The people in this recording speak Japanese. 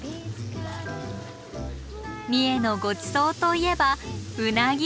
三重のごちそうといえばうなぎ。